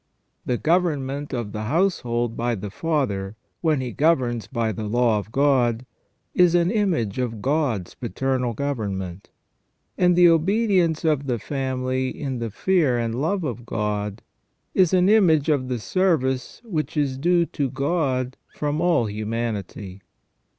The govern ment of the household by the father, when he governs by the law of God, is an image of God's paternal government ; and the obedience of the family in the fear and love of God is an image of the service which is due to God from all humanity.